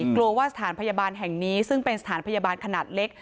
กลัวว่าสถานพยาบาลแห่งนี้ซึ่งเป็นสถานพยาบาลขนาดเล็ก